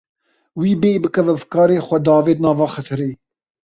Wî bêyî bikeve fikarê xwe diavêt nava xetereyê.